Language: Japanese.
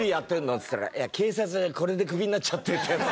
っつったら「いや警察がこれでクビになっちゃって」ってヤツで。